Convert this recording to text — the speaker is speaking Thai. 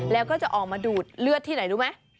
แล้วก็จะออกมาดูดเลือดที่ไหนรู้ไหม